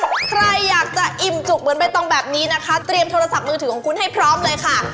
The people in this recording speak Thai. ใครอยากจะอิ่มจุกเหมือนใบตองแบบนี้นะคะเตรียมโทรศัพท์มือถือของคุณให้พร้อมเลยค่ะ